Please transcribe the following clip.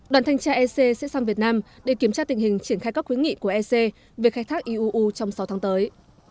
đoàn thanh tra ec sẽ sang việt nam để kiểm tra tình hình triển khai các khuyến nghị của ec về khai thác iuu trong sáu tháng tới